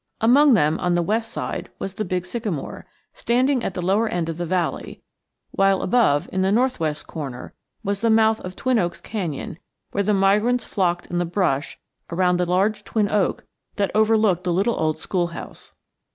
Among them, on the west side, was the big sycamore, standing at the lower end of the valley; while above, in the northwest corner, was the mouth of Twin Oaks canyon where the migrants flocked in the brush around the large twin oak that overlooked the little old schoolhouse.